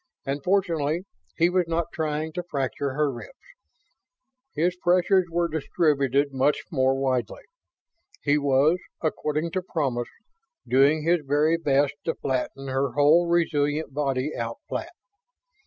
And, fortunately, he was not trying to fracture her ribs. His pressures were distributed much more widely. He was, according to promise, doing his very best to flatten her whole resilient body out flat.